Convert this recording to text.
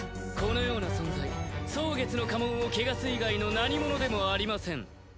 このような存在蒼月の家紋を穢す以外の何ものでもありません。